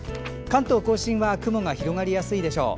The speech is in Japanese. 関東・甲信は雲が広がりやすいでしょう。